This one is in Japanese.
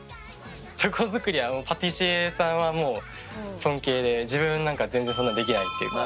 チョコ作りはパティシエさんはもう尊敬で自分なんか全然そんなできないっていうか。